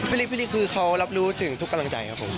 พี่ฤทธิ์พี่ฤทธิ์คือเขารับรู้ถึงทุกกำลังใจครับผม